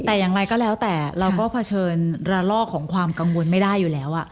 แต่อย่างไรก็แล้วแต่เราก็เผชิญระลอกของความกังวลไม่ได้อยู่แล้ว